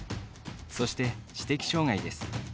そして知的障がいです。